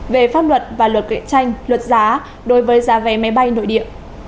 về pháp luật và luật cạnh tranh luật giá đối với giá vé máy bay nội địa